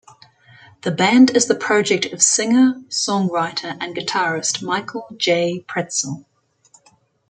The band is the project of singer, songwriter and guitarist Michael J. Pritzl.